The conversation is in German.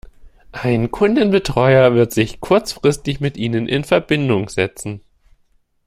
Ein Kundenbetreuer wird sich kurzfristig mit ihnen in Verbindung setzen.